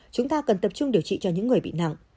chúng ta cần tập trung điều trị cho những người bị nặng